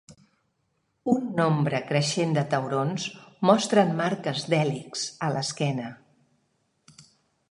Un nombre creixent de taurons mostren marques d'hèlix a l'esquena.